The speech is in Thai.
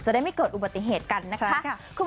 ได้ไม่เกิดอุบัติเหตุกันนะคะ